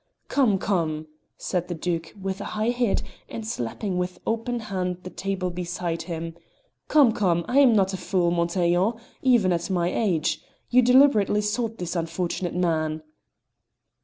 "Come, come!" said the Duke with a high head and slapping with open hand the table beside him "Come, come! I am not a fool, Montaiglon even at my age. You deliberately sought this unfortunate man."